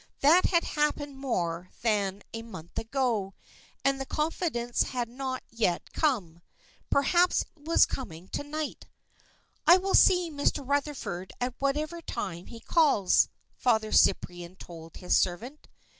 That had happened more than a month ago, and the confidence had not yet come. Perhaps it was coming to night. "I will see Mr. Rutherford at whatever time he calls," Father Cyprian told his servant.